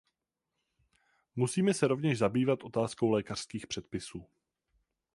Musíme se rovněž zabývat otázkou lékařských předpisů.